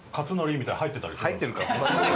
入ってるか！